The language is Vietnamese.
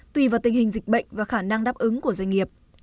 tùy vào tình hình dịch bệnh và khả năng đáp ứng của doanh nghiệp